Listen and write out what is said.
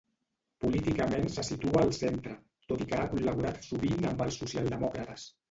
Políticament se situa al centre, tot i que ha col·laborat sovint amb els Socialdemòcrates.